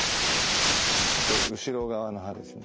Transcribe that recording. あと後ろ側の歯ですね。